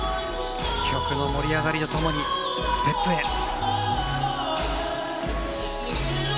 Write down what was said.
曲の盛り上がりとともにステップへ。